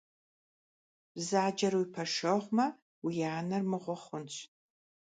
Бзаджэр уи пэшэгьумэ уи анэр мыгъуэ хъунщ.